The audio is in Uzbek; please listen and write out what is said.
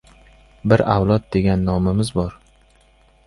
— Bir avlod degan nomimiz bor...